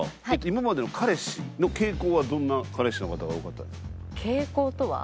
今までの彼氏の傾向はどんな彼氏の方が多かったですか。